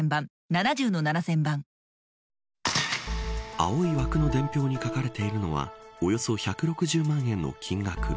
青い枠の伝票に書かれているのはおよそ１６０万円の金額。